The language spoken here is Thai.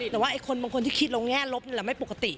แต่ว่าไอ้คนบางคนที่คิดลงแง่ลบนี่แหละไม่ปกติ